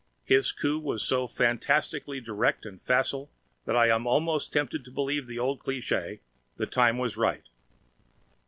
His coup was so fantastically direct and facile that I am almost tempted to believe that old cliche "the time was right."